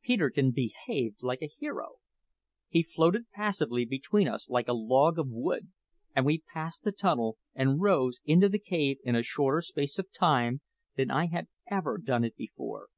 Peterkin behaved like a hero. He floated passively between us like a log of wood, and we passed the tunnel and rose into the cave in a shorter space of time than I had ever done it before.